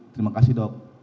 terima kasih dok